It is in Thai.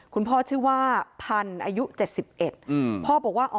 คุณพ่อชื่อว่าพันอายุเจ็ดสิบเอ็ดอืมพ่อบอกว่าอ๋อ